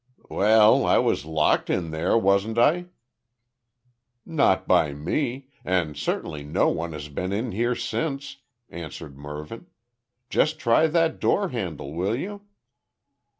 "Well, I was locked in there, wasn't I?" "Not by me and certainly no one has been in here since," answered Mervyn. "Just try that door handle, will you?"